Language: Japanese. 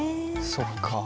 そっか。